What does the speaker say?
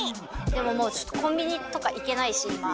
でももうちょっとコンビニとか行けないし今。